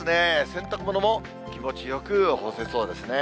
洗濯物も気持ちよく干せそうですね。